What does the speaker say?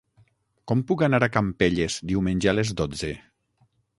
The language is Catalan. Com puc anar a Campelles diumenge a les dotze?